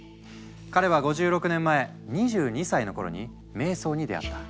彼は５６年前２２歳の頃に瞑想に出会った。